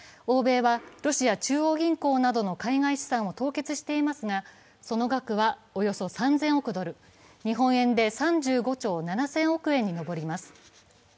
欧米はロシア中央銀行などの海外資産を凍結していますがその額はおよそ３０００億ドル、日本円で３５兆７０００億円に上ります。